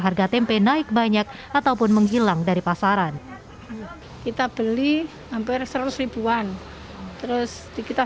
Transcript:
harga tempe naik banyak ataupun menghilang dari pasaran kita beli hampir seratus ribuan terus di kita